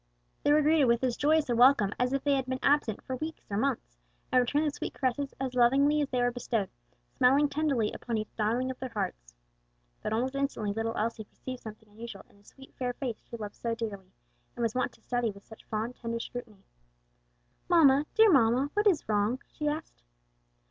They were greeted with as joyous a welcome as if they had been absent for weeks or months, and returned the sweet caresses as lovingly as they were bestowed, smiling tenderly upon each darling of their hearts. But almost instantly little Elsie perceived something unusual in the sweet, fair face she loved so dearly, and was wont to study with such fond, tender scrutiny. "Mamma, dear mamma, what is wrong?" she asked.